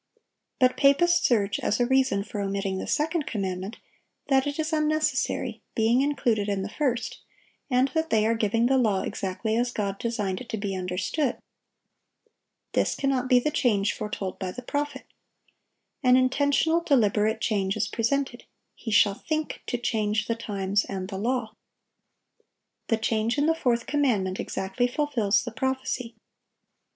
But papists urge, as a reason for omitting the second commandment, that it is unnecessary, being included in the first, and that they are giving the law exactly as God designed it to be understood. This cannot be the change foretold by the prophet. An intentional, deliberate change is presented: "He shall think to change the times and the law." The change in the fourth commandment exactly fulfils the prophecy.